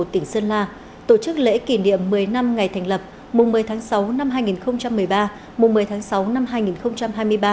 tổ chức lễ kỷ niệm một mươi năm ngày thành lập mùa một mươi tháng sáu năm hai nghìn một mươi ba mùa một mươi tháng sáu năm hai nghìn hai mươi ba